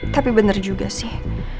tapi bener juga sih